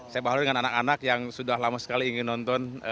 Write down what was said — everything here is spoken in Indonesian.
saya bahuri dengan anak anak yang sudah lama sekali ingin nonton